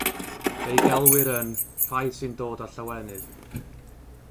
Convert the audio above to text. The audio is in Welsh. Fe'u gelwir yn “rhai sy'n dod â llawenydd”.